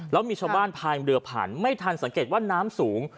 แล้วมีชาวบ้านพายเรือผ่านไม่ทันสังเกตว่าน้ำสูง